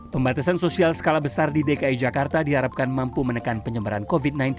pembatasan sosial skala besar di dki jakarta diharapkan mampu menekan penyebaran covid sembilan belas